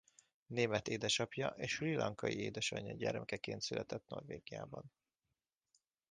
Német édesapja és Srí Lanka-i édesanya gyermekeként született Norvégiában.